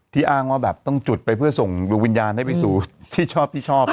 ที่อ้างว่าต้องจุดไปเพื่อส่งวิญญาณให้ไปสู่ที่ชอบ